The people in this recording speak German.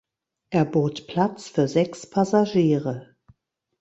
Er bot Platz für sechs Passagiere.